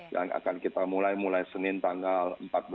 yang akan kita mulai mulai senin tanggal empat belas